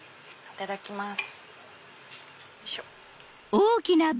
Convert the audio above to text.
いただきます。